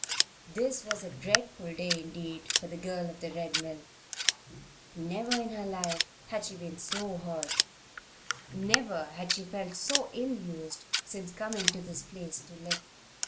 This was a dreadful day indeed for the girl of the Red Mill. Never in her life had she been so hurt never had she felt herself so ill used since coming to this place to live.